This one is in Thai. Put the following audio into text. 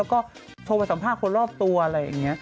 แล้วก็โทรไปสัมภาษณ์คนรอบตัวอะไรอย่างนี้